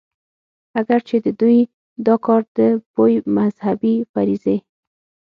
اګر چې د دوي دا کار د يوې مذهبي فريضې